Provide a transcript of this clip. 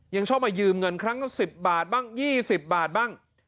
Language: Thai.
ยังชอบมายืมเงินครั้งสิบบาทบ้างยี่สิบบาทบ้าง